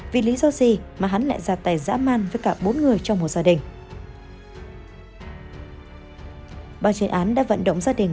vì lý do gì mà hắn lại ra tài dã man với cả bốn người trong hội